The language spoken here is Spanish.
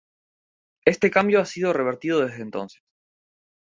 Este cambio ha sido revertido desde entonces.